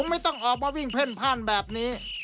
ไม่ต้องออกมาวิ่งเพ่นพ่านแบบนี้